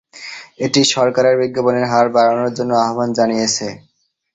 এটি সরকারের বিজ্ঞাপনের হার বাড়ানোর জন্য আহ্বান জানিয়েছে।